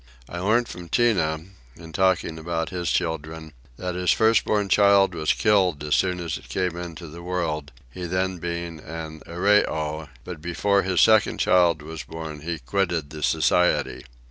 I learnt from Tinah, in talking about his children, that his first born child was killed as soon as it came into the world, he being then an Arreoy; but before his second child was born he quitted the society.